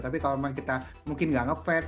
tapi kalau memang kita mungkin tidak ngefans